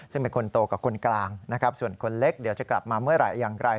ซึ่งเป็นคนโตกับคนกลางนะครับส่วนคนเล็กเดี๋ยวจะกลับมาเมื่อไหร่อย่างไร